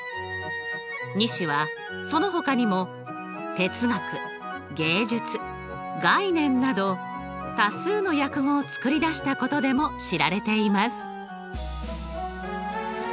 西はそのほかにも哲学芸術概念など多数の訳語を作り出したことでも知られています。